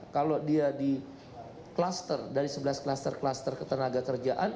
kalau dia di kluster dari sebelas kluster kluster ketenaga kerjaan